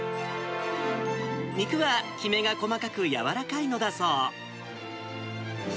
肉はきめが細かく、柔らかいのだそう。